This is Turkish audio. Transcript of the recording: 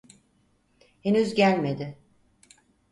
Henüz gelmedi.